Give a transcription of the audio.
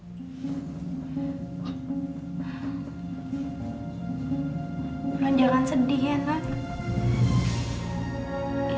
mbak jangan sedih ya mbak